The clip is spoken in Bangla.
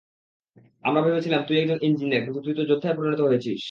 আমরা ভেবেছিলাম তুই একজন ইঞ্জিনিয়ার, কিন্তু তুই তো যোদ্ধায় পরিণত হয়েছিস!